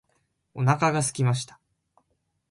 お腹がすきました。